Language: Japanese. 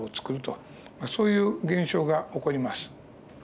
そういう現象が起こります。